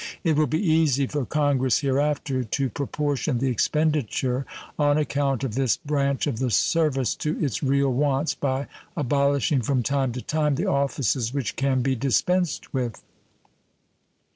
It will be easy for Congress hereafter to proportion the expenditure on account of this branch of the service to its real wants by abolishing from time to time the offices which can be dispensed with.